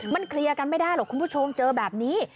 มันเคลียร์กันไม่ได้หรอกคุณผู้ชมเจอแบบนี้